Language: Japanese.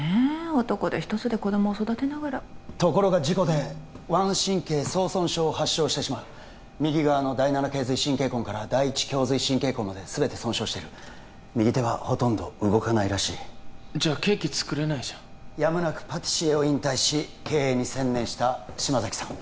男手一つで子どもを育てながらところが事故で腕神経叢損傷を発症してしまう右側の第７頚髄神経根から第１胸髄神経根まで全て損傷してる右手はほとんど動かないらしいじゃあケーキ作れないじゃんやむなくパティシエを引退し経営に専念した嶋崎さん